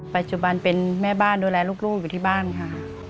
ปัจจุบันเป็นแม่บ้านดูแลลูกอยู่ที่บ้านค่ะ